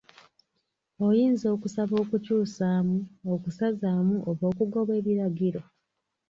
Oyinza okusaba okukyusaamu, okusazaamu oba okugoba ebiragiro?